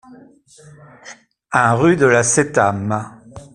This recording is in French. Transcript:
un rUE DE LA CTAM